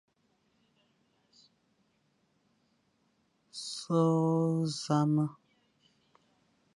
Sughʼé zame,